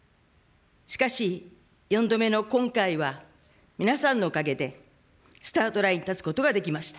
しかし、４度目の今回は、皆さんのおかげでスタートラインに立つことができました。